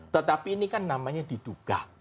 tetapi ini kan namanya diduga